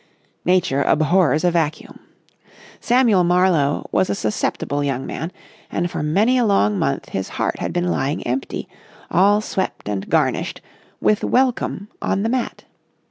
Nature abhors a vacuum. Samuel Marlowe was a susceptible young man, and for many a long month his heart had been lying empty, all swept and garnished, with "Welcome" on the mat.